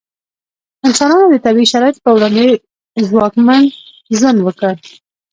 انسانانو د طبیعي شرایطو په وړاندې ځواکمن ژوند وکړ.